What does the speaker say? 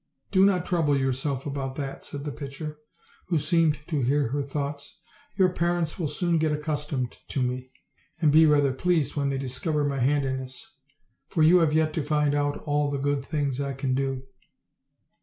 "Do not trouble yourself about that," said the pitcher, who seemed to hear her thoughts; "your parents will soon get accustomed to me, and be rather pleased when they discover my handiness; for you have yet to find out all the good things I can do."